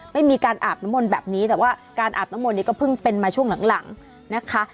ไม่มีการอาบน้ำมนต์แบบนี้แต่ว่าการอาบน้ำมนต์เนี่ยก็เพิ่งเป็นมาช่วงหลังนะคะ